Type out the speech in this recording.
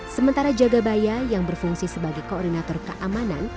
sementara jagabaya yang berfungsi sebagai koordinator keamanan